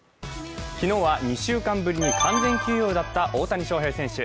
昨日は２週間ぶりに完全休養だった大谷翔平選手。